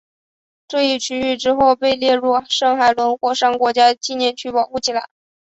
这一区域之后被列入圣海伦火山国家纪念区保护起来。